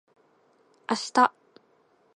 あした